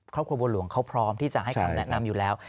ครอบครัวบัวหลวงเขาพร้อมที่จะให้คำแนะนำอยู่แล้ว